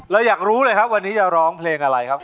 อยากรู้เลยครับวันนี้จะร้องเพลงอะไรครับ